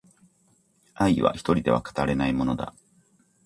愛は一人では語れないものだ